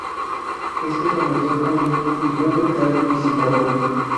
Esta comenzó en julio, y fue brutal y sin cuartel.